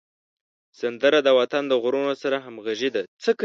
سندره د وطن د غرونو سره همږغي ده